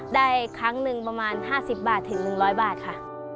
ได้ครั้งหนึ่งประมาณ๕๐บาทถึง๑๐๐บาทค่ะ